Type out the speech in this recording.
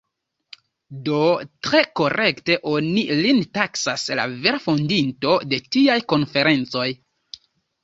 Do tre korekte oni lin taksas la vera fondinto de tiaj konferencoj.